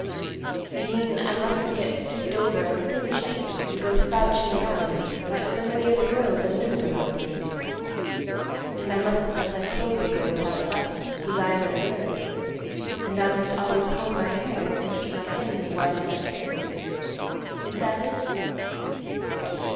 You mean I mustn't get stooped over and thin chested, and go slouching around, like so many of the girls and women around here do, and I mustn't let my clothes go without buttons, 'cause I am in a hurry, and I must always comb my hair, and keep my hands as white as I can. Is that it?"